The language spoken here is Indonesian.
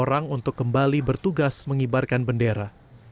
silvia kartika putri juga kembali bertugas mengibarkan bendera